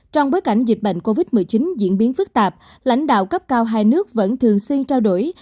trong bối cảnh dịch bệnh covid một mươi chín diễn biến phức tạp lãnh đạo cấp cao hai nước vẫn thường xuyên trao đổi